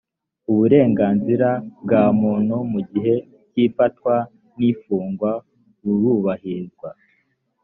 uburenganzira bwa muntu mu gihe cy ‘ifatwa n ‘ifungwa burubahirizwa.